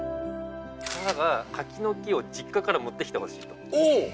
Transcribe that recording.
母が柿の木を実家から持ってきて欲しいと。